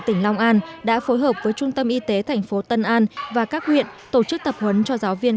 tỉnh long an đã phối hợp với trung tâm y tế thành phố tân an và các huyện tổ chức tập huấn cho giáo viên